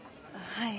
はい。